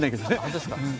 本当ですか？